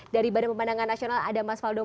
dari badan pemandangan nasional ada mas faldo